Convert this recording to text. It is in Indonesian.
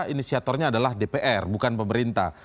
inisiatornya adalah dpr bukan pemerintah